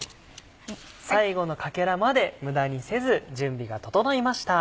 最後のかけらまで無駄にせず準備が整いました。